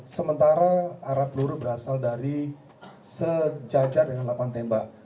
sementara arah peluru berasal dari sejajar dengan lapan tembak